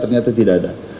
ternyata tidak ada